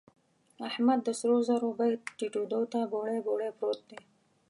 احمد د سرو زرو بيې ټيټېدو ته بوړۍ بوړۍ پروت دی.